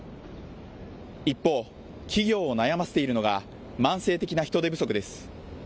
一方、企業を悩ませているのが慢性的な人手不足です。